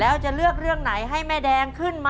แล้วจะเลือกเรื่องไหนให้แม่แดงขึ้นมา